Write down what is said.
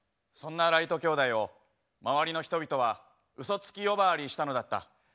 そんなライト兄弟を周りの人々はうそつき呼ばわりしたのだった。